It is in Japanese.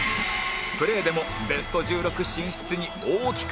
プレーでもベスト１６進出に大きく貢献した